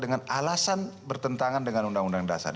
dengan alasan bertentangan dengan undang undang dasar